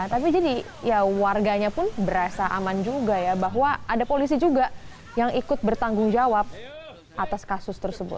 tapi jadi ya warganya pun berasa aman juga ya bahwa ada polisi juga yang ikut bertanggung jawab atas kasus tersebut